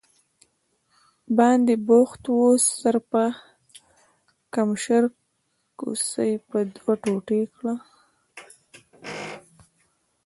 باندې بوخت و، د سر پړکمشر کوسۍ مې دوه ټوټې کړه.